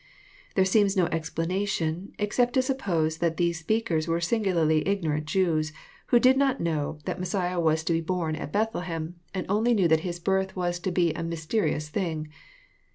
There seems no explana tion except to suppose that these speakers were singularly Ignorant Jews, who did not know that Messiah was to be born 82 EXPOSITOBT THOUGHTS. at Bethlehem, and only knew that His birth was to be a mys^ terious thing.